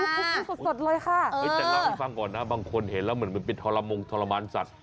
มันกินสดเลยค่ะแต่ละมิฟังก่อนนะบางคนเห็นแล้วเหมือนเป็นทรมานสัตว์